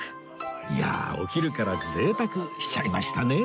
いやあお昼から贅沢しちゃいましたね